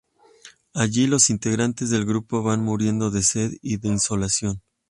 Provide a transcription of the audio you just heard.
Allí, los integrantes del grupo van muriendo de sed y de insolación.